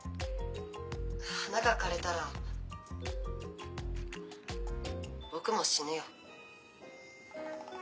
花が枯れたら僕も死ぬよ。